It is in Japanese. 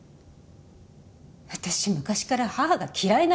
私昔から母が嫌いなの。